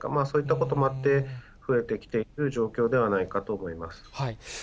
そういったこともあって、増えてきている状況ではないかと思います。